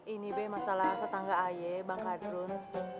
ini be masalah tetangga ae bang kadrun